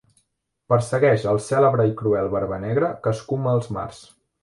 Persegueix el cèlebre i cruel Barbanegra que escuma els mars.